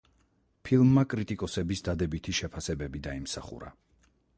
ფილმმა კრიტიკოსების დადებითი შეფასებები დაიმსახურა.